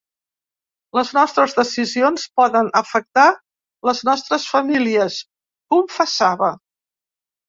Les nostres decisions poden afectar les nostres famílies…, confessava.